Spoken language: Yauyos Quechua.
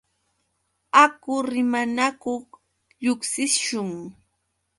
Haku rimanakuq lluqsishun.